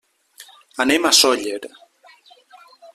Anem a Sóller.